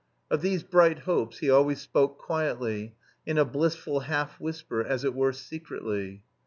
Of these "bright hopes" he always spoke quietly, in a blissful half whisper, as it were secretly.